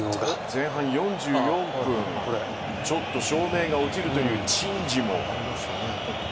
前半４４分、ちょっと照明が落ちるという珍事も。